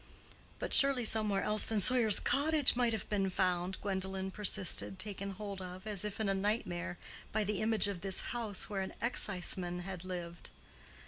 "But surely somewhere else than Sawyer's Cottage might have been found," Gwendolen persisted—taken hold of (as if in a nightmare) by the image of this house where an exciseman had lived.